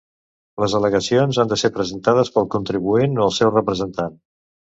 Les al·legacions han de ser presentades pel contribuent o el seu representant.